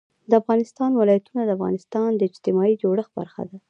د افغانستان ولايتونه د افغانستان د اجتماعي جوړښت برخه ده.